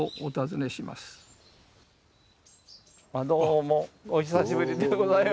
どうもお久しぶりでございます。